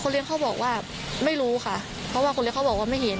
เลี้ยงเขาบอกว่าไม่รู้ค่ะเพราะว่าคนเลี้ยเขาบอกว่าไม่เห็น